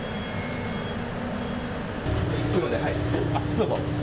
どうぞ。